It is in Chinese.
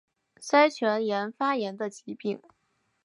腮腺炎发炎的疾病。